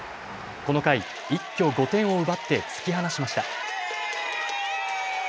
この回、一挙５点を奪って突き放しました。